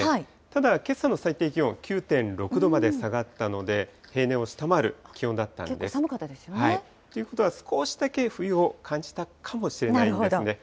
ただけさの最低気温９．６度まで下がったので、結構、寒かったですよね。ということは、少しだけ冬を感じたかもしれないですね。